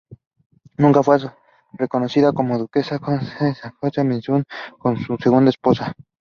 Nunca fue reconocida como duquesa consorte de Sajonia-Meiningen como su segunda esposa.